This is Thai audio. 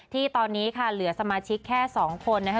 ที่ตอนนี้ค่ะเหลือสมาชิกแค่๒คนนะคะ